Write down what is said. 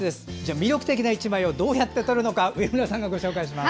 魅力的な一枚をどうやって撮るのか上村さんがご紹介します。